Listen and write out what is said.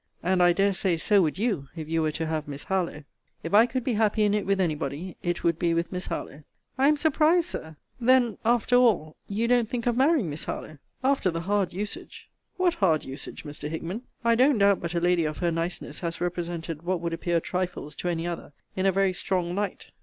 And I dare say, so would you, if you were to have Miss Harlowe. If I could be happy in it with any body, it would be with Miss Harlowe. I am surprised, Sir! Then, after all, you don't think of marrying Miss Harlowe! After the hard usage What hard usage, Mr. Hickman? I don't doubt but a lady of her niceness has represented what would appear trifles to any other, in a very strong light.